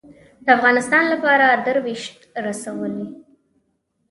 د افغانستان لپاره دروېش رسولې